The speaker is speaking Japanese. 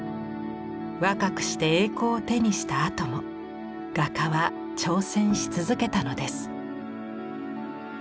若くして栄光を手にしたあとも画家は挑戦し続けたのです。